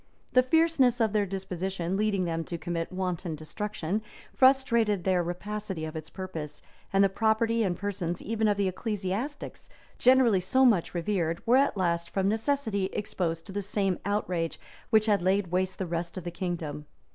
The fierceness of their disposition, leading them to commit wanton destruction, frustrated their rapacity of its purpose; and the property and persons even of the ecclesiastics, generally so much revered, were at last, from necessity, exposed to the same outrage which had laid waste the rest of the kingdom.